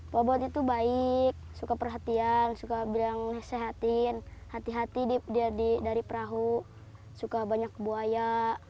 bobot itu baik suka perhatian suka bilang sehatin hati hati dia dari perahu suka banyak buaya